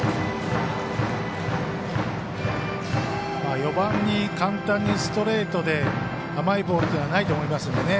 ４番に簡単にストレートで甘いボールというのはないと思いますんで